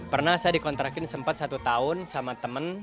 pernah saya dikontrakin sempat satu tahun sama temen